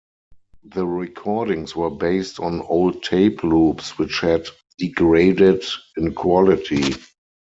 The recordings were based on old tape loops which had degraded in quality.